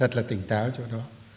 rất là tỉnh táo chỗ đó